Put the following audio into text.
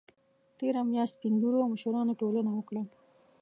تېره میاشت سپین ږیرو او مشرانو ټولنه وکړه